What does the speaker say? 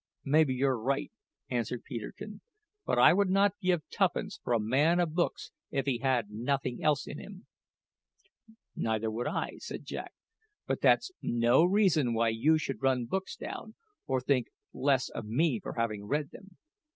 maybe you're right," answered Peterkin; "but I would not give tuppence for a man of books if he had nothing else in him." "Neither would I," said Jack; "but that's no reason why you should run books down, or think less of me for having read them.